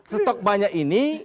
setok banyak ini